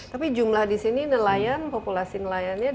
tapi jumlah disini nelayan populasi nelayannya